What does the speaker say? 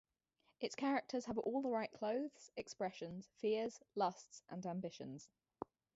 Its characters have all the right clothes, expressions, fears, lusts and ambitions.